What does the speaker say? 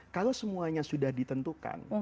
kalau semuanya sudah ditentukan